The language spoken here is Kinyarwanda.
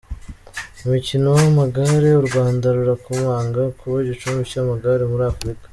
Mu mukino w’amagare, U Rwanda rurakomanga, kuba igicumbi cy’Amagare muri Afurika ….